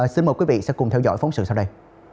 xin mời quý vị sẽ cùng theo dõi phóng sự sau đây